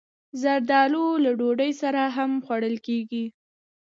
زردالو له ډوډۍ سره هم خوړل کېږي.